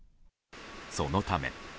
そのため。